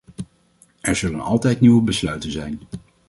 Er zullen altijd nieuwe besluiten zijn.